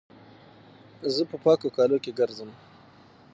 زه په پاکو کالو کښي ګرځم.